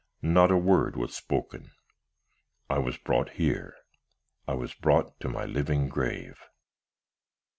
Not a word was spoken. I was brought here, I was brought to my living grave.